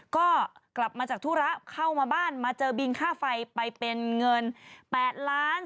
ก็กลับมาจากธุระเข้ามาบ้านมาเจอบินค่าไฟไปเป็นเงิน๘ล้าน